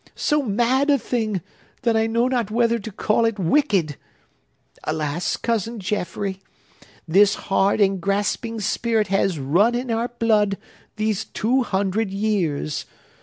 —so mad a thing, that I know not whether to call it wicked! Alas, Cousin Jaffrey, this hard and grasping spirit has run in our blood these two hundred years.